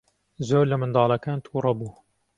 زۆر لە منداڵەکان تووڕە بوو.